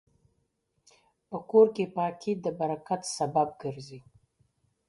په کور کې پاکي د برکت سبب ګرځي.